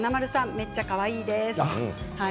めっちゃかわいいです。